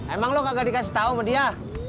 emang lo kagak dikasih tahu sama dia